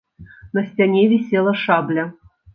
На сцяне вісела шабля.